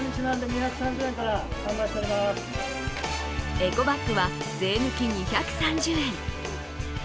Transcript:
エコバッグは、税抜き２３０円。